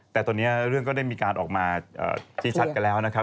แต่ตอนนี้เรื่องก็ได้มีการออกมาชี้ชัดกันแล้วนะครับ